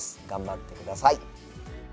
頑張ってください。